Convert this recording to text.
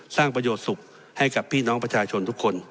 สร้างประโยชน์สุขให้กับพี่น้องประชาชนทุกคน